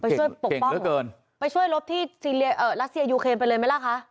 ไปช่วยปกป้องเก่งเหลือเกินไปช่วยรบที่ซีเรียเอ่อรัสเซียยูเคนไปเลยมั้ยล่ะคะ